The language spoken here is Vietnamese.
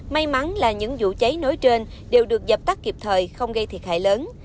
may mắn là những vụ cháy nối trên đều được dập tắt kịp thời không gây thiệt hại lớn